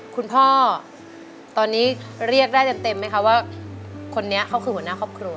คุณพ่อตอนนี้เรียกได้เต็มไหมคะว่าคนนี้เขาคือหัวหน้าครอบครัว